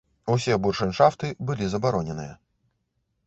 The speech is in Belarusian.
Усе буршэншафты былі забароненыя.